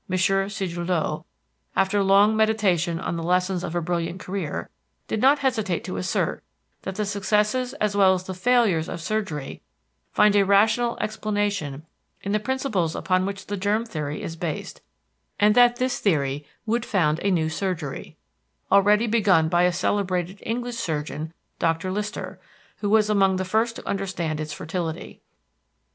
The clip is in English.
Sedillot, after long meditation on the lessons of a brilliant career, did not hesitate to assert that the successes as well as the failures of Surgery find a rational explanation in the principles upon which the germ theory is based, and that this theory would found a new Surgery—already begun by a celebrated English surgeon, Dr. Lister, who was among the first to understand its fertility.